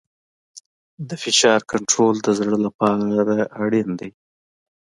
د فشار کنټرول د زړه لپاره اړین دی.